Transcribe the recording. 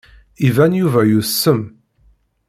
Iban Yuba yusem.